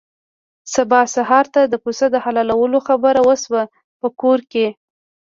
سبا سهار ته د پسه د حلالولو خبره وشوه په کور کې.